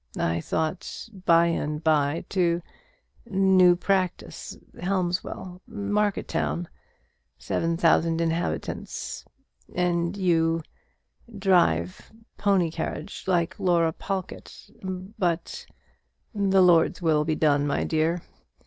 I thought by and by to new practice Helmswell market town seven thousand inhabitants and you drive pony carriage, like Laura Pawlkatt but the Lord's will be done, my dear!